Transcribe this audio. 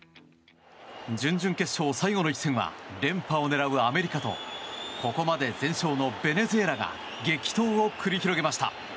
準々決勝、最後の一戦は連覇を狙うアメリカとここまで全勝のベネズエラが激闘を繰り広げました。